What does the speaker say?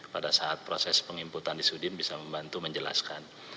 pada saat proses penginputan di sudim bisa membantu menjelaskan